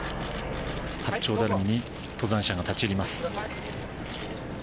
八丁ダルミに登山者が立ち入ります。